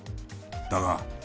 だが。